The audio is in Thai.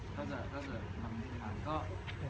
ถ้าเกิดนำอาหาร